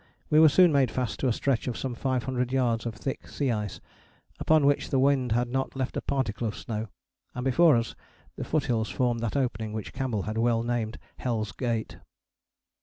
We were soon made fast to a stretch of some 500 yards of thick sea ice, upon which the wind had not left a particle of snow, and before us the foothills formed that opening which Campbell had well named Hell's Gate.